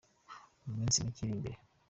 mu minsi mike iri imbere”.